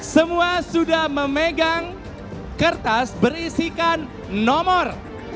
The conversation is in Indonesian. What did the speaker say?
semua sudah memegang kertas berisikan nomor